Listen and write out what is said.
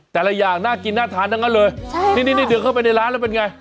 แต่ละอย่างน่ากินน่าทานทั้งนั้นเลยใช่นี่เดินเข้าไปในร้านแล้วเป็นไง